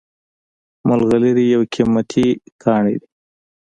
ملغلرې یو قیمتي کاڼی دی